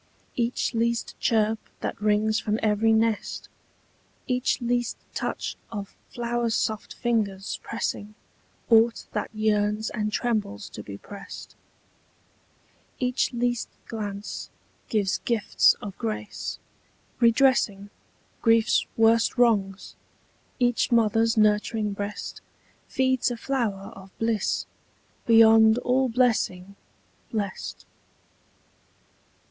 Each least chirp that rings from every nest, Each least touch of flower soft fingers pressing Aught that yearns and trembles to be prest, Each least glance, gives gifts of grace, redressing Grief's worst wrongs: each mother's nurturing breast Feeds a flower of bliss, beyond all blessing Blest.